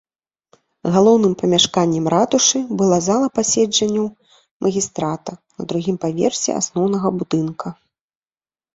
Галоўным памяшканнем ратушы была зала пасяджэнняў магістрата на другім паверсе асноўнага будынка.